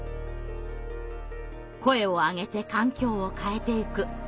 声を上げて環境を変えてゆく。